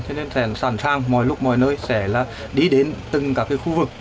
cho nên sẽ sẵn sàng mọi lúc mọi nơi sẽ đi đến từng các khu vực